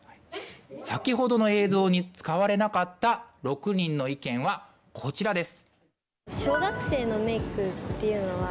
先ほどの映像に使われなかった６人の意見はこちらです。